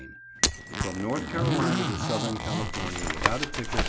] From North Carolina to Southern California Without a Ticket.